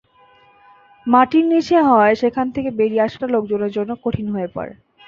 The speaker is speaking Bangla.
মাটির নিচে হওয়ায় সেখান থেকে বেরিয়ে আসাটা লোকজনের জন্য কঠিন হয়ে পড়ে।